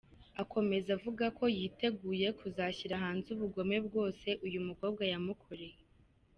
Akomeza avuga ko yiteguye kuzashyira hanze ubugome bwose uyu mukobwa yamukoreye.